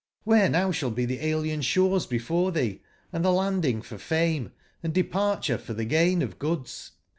ODlbere now sball be tbe alien sbores before tbee, and tbe landing for fame, and departure for tbe gain of goods?